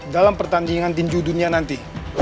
dalam pertandingan tinju dunia nanti